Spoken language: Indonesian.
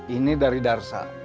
ini dari darsa